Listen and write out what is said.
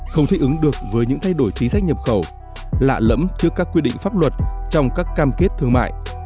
không thích ứng được với những thay đổi chính sách nhập khẩu lạ lẫm trước các quy định pháp luật trong các cam kết thương mại